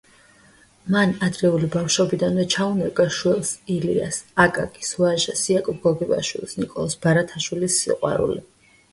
მან ადრეული ბავშვობიდანვე ჩაუნერგა შვილს ილიას, აკაკის, ვაჟას, იაკობ გოგებაშვილის, ნიკოლოზ ბარათაშვილის სიყვარული.